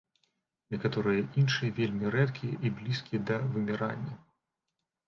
Некаторыя іншыя вельмі рэдкія і блізкія да вымірання.